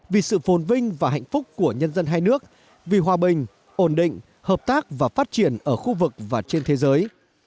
vì sự phồn vinh và hạnh phúc của nhân dân hai nước vì hòa bình ổn định hợp tác và phát triển ở khu vực và trên thế giới